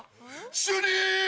主任！